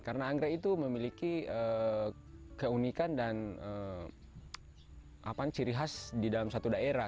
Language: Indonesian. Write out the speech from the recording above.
karena anggrek itu memiliki keunikan dan ciri khas di dalam satu daerah